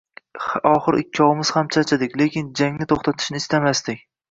Oxiri ikkovimiz ham charchadik, lekin “jang”ni toʻxtatishni istamasdik.